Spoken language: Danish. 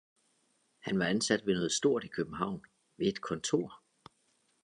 han var ansat ved noget stort i København, ved et kontor.